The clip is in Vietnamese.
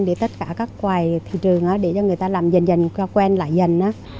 để cho người ta làm dần dần quen lại dần